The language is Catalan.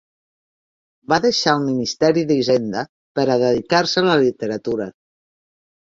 Va deixar el Ministeri d'Hisenda per a dedicar-se a la literatura.